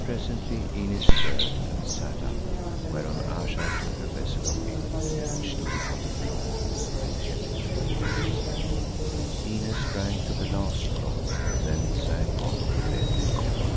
Presently Inez stirred and sat up, whereon Ayesha took a vessel of milk which stood upon the floor and held it to her lips. Inez drank to the last drop, then sank on to the bed again.